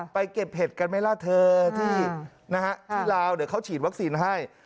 เก็บเห็ดกันไหมล่ะเธอที่ลาวเดี๋ยวเขาฉีดวัคซีนให้